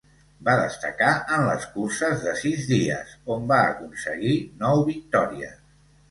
Va destacar en les curses de sis dies on va aconseguir nou victòries.